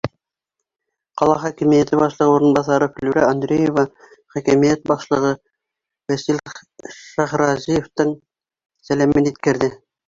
Ҡала хакимиәте башлығы урынбаҫары Флүрә Андреева хакимиәт башлығы Вәсил Шайхразиевтың сәләмен еткерҙе.